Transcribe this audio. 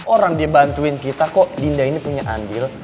orang dia bantuin kita kok dinda ini punya andil